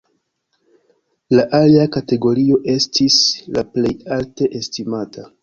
La alia kategorio estis la plej alte estimata.